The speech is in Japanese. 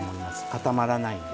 固まらないんで。